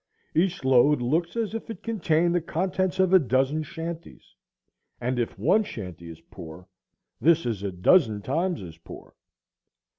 Each load looks as if it contained the contents of a dozen shanties; and if one shanty is poor, this is a dozen times as poor.